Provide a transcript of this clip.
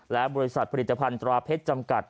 และบริษัทผลิตภัณฑราเพชรจำกัด